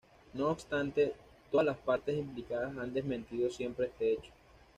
No obstante, todas las partes implicadas han desmentido siempre este hecho.